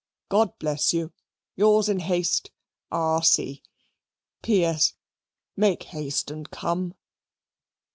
God bless you. Yours in haste, R. C. P.S. Make haste and come.